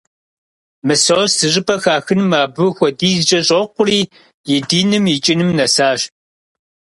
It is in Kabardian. Мысост зыщӀыпӀэ хахыным абы хуэдизкӀэ щӀокъури, и диным икӀыным нэсащ.